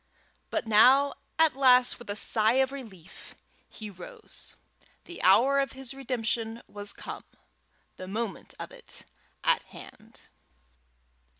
But now at last, with a sigh of relief, he rose. The hour of his redemption was come, the moment of it at hand.